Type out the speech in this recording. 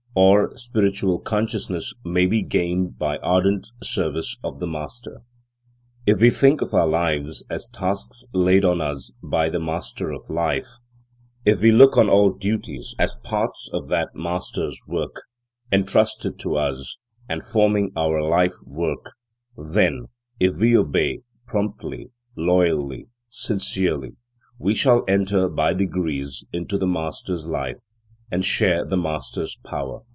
Or spiritual consciousness may be gained by ardent service of the Master. If we think of our lives as tasks laid on us by the Master of Life, if we look on all duties as parts of that Master's work, entrusted to us, and forming our life work; then, if we obey, promptly, loyally, sincerely, we shall enter by degrees into the Master's life and share the Master's power.